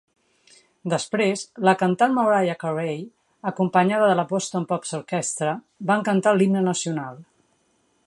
Després, la cantant Mariah Carey, acompanyada de la Boston Pops Orchestra, va cantar l'himne nacional.